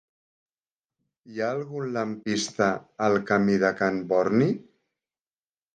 Hi ha algun lampista al camí de Can Borni?